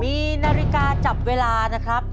มีนาฬิกาจับเวลานะครับ